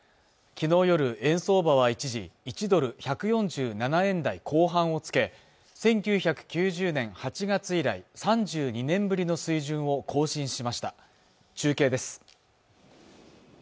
昨日夜円相場は一時１ドル＝１４７円台後半をつけ１９９０年８月以来３２年ぶりの水準を更新しました中継です